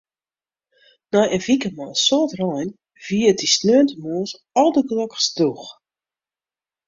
Nei in wike mei in soad rein wie it dy sneontemoarns aldergelokst drûch.